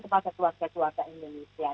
kepada keluarga keluarga indonesia